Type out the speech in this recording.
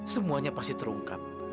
semuanya pasti terungkap